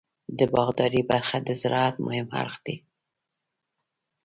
د باغدارۍ برخه د زراعت مهم اړخ دی.